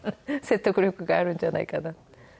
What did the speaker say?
説得力があるんじゃないかな。